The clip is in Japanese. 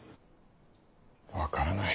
分からない。